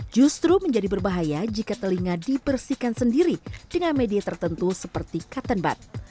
justru menjadi berbahaya jika telinga dibersihkan sendiri dengan media tertentu seperti kapten bud